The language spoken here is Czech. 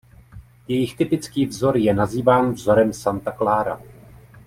Jejich typický vzor je nazýván vzorem Santa Clara.